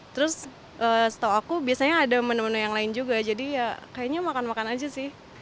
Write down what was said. terus setahu aku biasanya ada menu menu yang lain juga jadi ya kayaknya makan makan aja sih